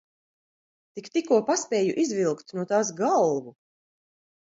Tik tikko paspēju izvilkt no tās galvu!